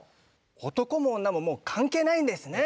男も女ももう関係ないんですね。